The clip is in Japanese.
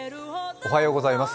おはようございます。